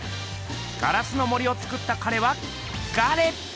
「『ガラスの森』をつくった彼はガレ」。